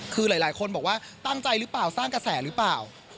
คือหลายคนบอกว่าตั้งใจหรือเปล่าสร้างกระแสหรือเปล่า